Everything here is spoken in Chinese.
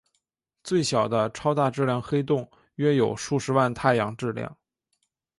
最小的超大质量黑洞约有数十万太阳质量。